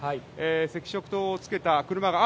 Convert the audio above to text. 赤色灯をつけた車が。